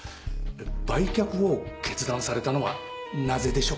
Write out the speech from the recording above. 売却を決断されたのはなぜでしょうか？